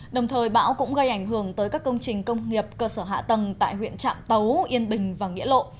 đồng thời bão cũng gây ảnh hưởng tới các công trình công nghiệp cơ sở hạ tầng tại huyện trạm tấu yên bình và nghĩa lộ